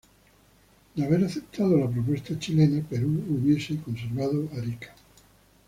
De haber aceptado la propuesta chilena, Perú hubiese conservado Arica.